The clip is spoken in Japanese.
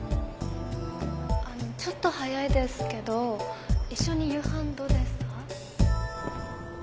あのちょっと早いですけど一緒に夕飯どうですか？